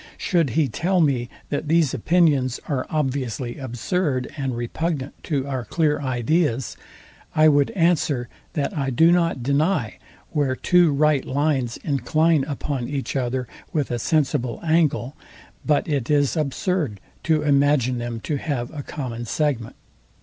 should he tell me, that these opinions are obviously absurd, and repugnant to our clear ideas; I would answer, that I do not deny, where two right lines incline upon each other with a sensible angle, but it is absurd to imagine them to have a common segment.